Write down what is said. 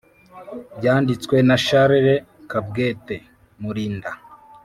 Byanditswe na charles kabwete mulinda